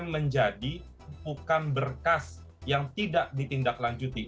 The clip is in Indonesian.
menjadi bukan berkas yang tidak ditindaklanjuti